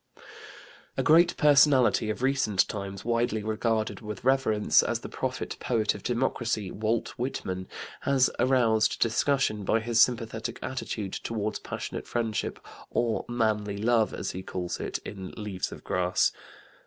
" A great personality of recent times, widely regarded with reverence as the prophet poet of Democracy Walt Whitman has aroused discussion by his sympathetic attitude toward passionate friendship, or "manly love" as he calls it, in Leaves of Grass.